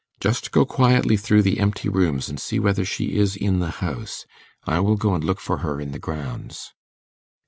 Just go quietly through the empty rooms, and see whether she is in the house. I will go and look for her in the grounds.